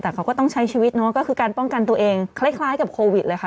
แต่เขาก็ต้องใช้ชีวิตเนาะก็คือการป้องกันตัวเองคล้ายกับโควิดเลยค่ะ